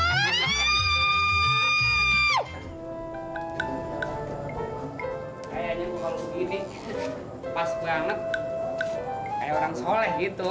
kayaknya kalau begini pas banget kayak orang soleh gitu